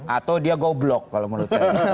atau dia goblok kalau menurut saya